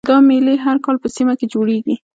دا میلې هر کال په سیمه کې جوړیږي